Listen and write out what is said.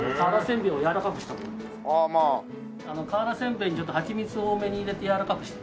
瓦せんべいにちょっとハチミツを多めに入れてやわらかくしてる。